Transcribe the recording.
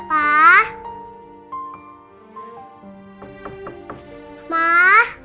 masa itu udah berakhir